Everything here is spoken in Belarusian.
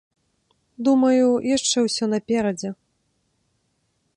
Думаю, яшчэ ўсё наперадзе.